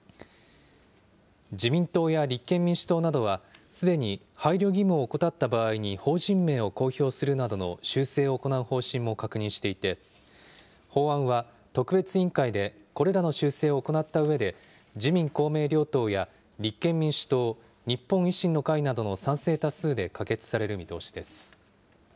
自民党や立憲民主党などはすでに配慮義務を怠った場合に法人名を公表するなどの修正を行う方針も確認していて、法案は特別委員会でこれらの修正を行ったうえで、自民、公明両党や立憲民主党、日本維新の会などの賛成多数で可決される見通しです。